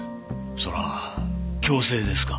それは強制ですか？